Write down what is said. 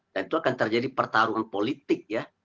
dan itu akan terjadi pertarungan politik ya